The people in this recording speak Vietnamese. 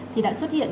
thì đã xuất hiện